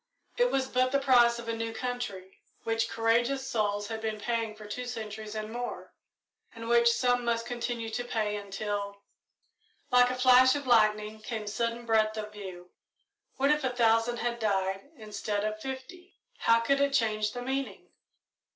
It was but the price of a new country, which courageous souls had been paying for two centuries and more, and which some must continue to pay until Like a lightning flash came sudden breadth of view. What if a thousand had died instead of fifty; how could it change the meaning?